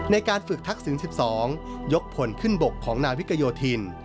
ในการฝึกทักษิณ๑๒ยกผลขึ้นบกของนาวิกโยธิน